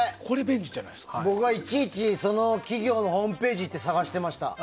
僕はいちいち、その企業のホームページに行って探していました。